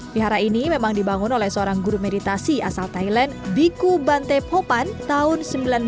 wihara ini memang dibangun oleh seorang guru meditasi asal thailand biku bantaepopan tahun seribu sembilan ratus sembilan puluh